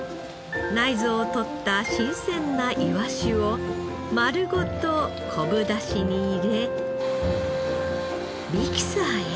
内臓を取った新鮮ないわしを丸ごと昆布出汁に入れミキサーへ。